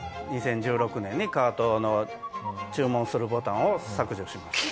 ２０１６年にカートの注文するボタンを削除しました。